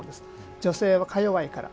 女性は、か弱いから。